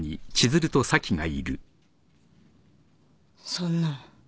そんな